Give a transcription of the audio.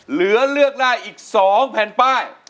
เหลือเลือกได้อีก๒แผ่นป้าย